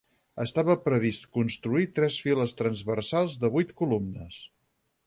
Estava previst construir tres files transversals de vuit columnes.